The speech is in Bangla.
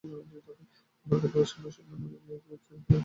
বাগার দেওয়ার সময় শুকনা মরিচ চিরে দেওয়ার পরামর্শ দিলেন ফাতেমা আজিজ।